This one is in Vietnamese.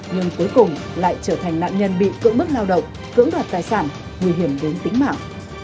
nhưng cuối cùng lại trở thành nạn nhân bị cưỡng bức lao động cưỡng đoạt tài sản nguy hiểm đến tính mạng